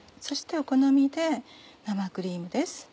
そしてお好みで生クリームです。